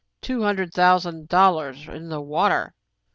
"Two hundred thousand dollars in the water!"